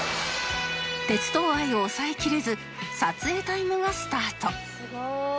鉄道愛を抑えきれず撮影タイムがスタート